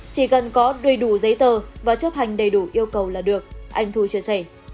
chỉ cần có đầy đủ giấy tờ và chấp hành đầy đủ yêu cầu là được anh thu chia sẻ